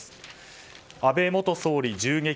安倍元総理、銃撃。